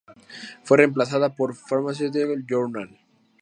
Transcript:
Fue reemplazada por "Pharmaceutical Journal".